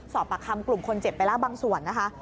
สอบปากคำกลุ่มคนเจ็บไปแล้วบางส่วนนะคะ